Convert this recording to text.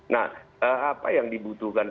nah apa yang dibutuhkan